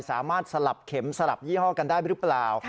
สลับเข็มสลับยี่ห้อกันได้หรือเปล่า